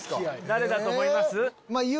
誰だと思います？